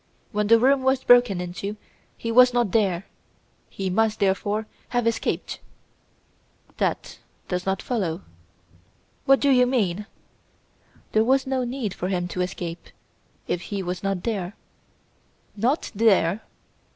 When the room was broken into he was not there! He must, therefore, have escaped." "That does not follow." "What do you mean?" "There was no need for him to escape if he was not there!" "Not there!"